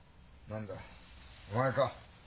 何だお前か。